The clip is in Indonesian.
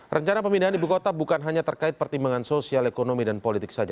rencana pemindahan ibu kota bukan hanya terkait pertimbangan sosial ekonomi dan politik saja